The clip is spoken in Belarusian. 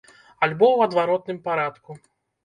Альбо ў адваротным парадку.